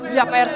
iya pak rt